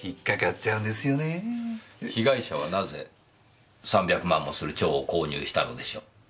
被害者はなぜ３００万もする蝶を購入したのでしょう？